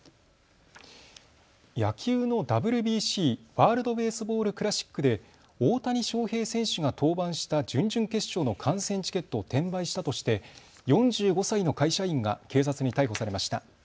野球のＷＢＣ・ワールド・ベースボール・クラシックで大谷翔平選手が登板した準々決勝の観戦チケットを転売したとして４５歳の会社員が警察に逮捕されました。